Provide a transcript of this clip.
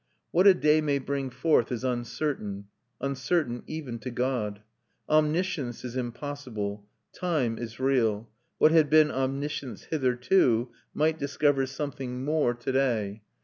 What a day may bring forth is uncertain; uncertain even to God. Omniscience is impossible; time is real; what had been omniscience hitherto might discover something more to day.